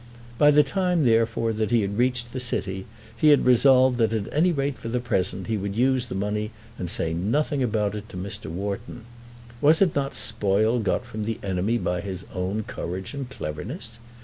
By the time, therefore, that he had reached the city he had resolved that at any rate for the present he would use the money and say nothing about it to Mr. Wharton. Was it not spoil got from the enemy by his own courage and cleverness?